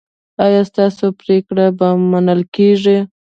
ایا ستاسو پریکړې به منل کیږي؟